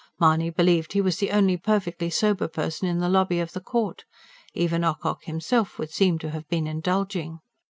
Mahony believed he was the only perfectly sober person in the lobby of the court. Even Ocock himself would seem to have been indulging.